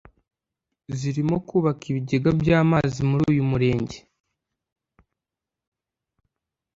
zirimo kubaka ibigega by’amazi muri uyu murenge